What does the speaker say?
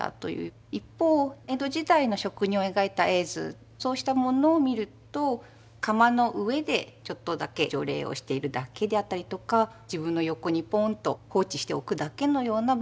一方江戸時代の職人を描いた絵図そうしたものを見ると窯の上でちょっとだけ徐冷をしているだけであったりとか自分の横にポンと放置しておくだけのような場面というのが描かれています。